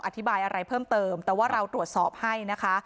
อธิบายอะไรเพิ่มเติมแต่ว่าเราตรวจสอบให้นะคะ